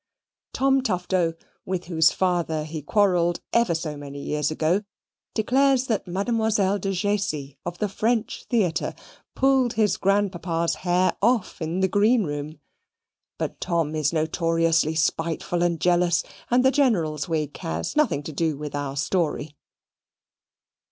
Tom Tufto, with whose father he quarrelled ever so many years ago, declares that Mademoiselle de Jaisey, of the French theatre, pulled his grandpapa's hair off in the green room; but Tom is notoriously spiteful and jealous; and the General's wig has nothing to do with our story.